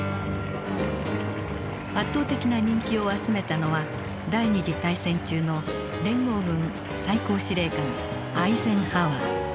圧倒的な人気を集めたのは第二次大戦中の連合軍最高司令官アイゼンハワー。